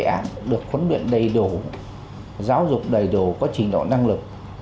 điện án được khuấn luyện đầy đủ giáo dục đầy đủ có trình độ năng lực